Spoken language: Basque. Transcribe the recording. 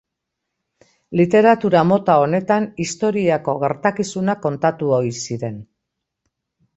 Literatura mota honetan historiako gertakizunak kontatu ohi ziren.